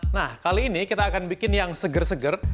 nah kali ini kita akan bikin yang seger seger